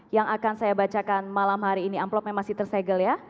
yang akan saya bacakan malam hari ini amplopnya masih tersegel ya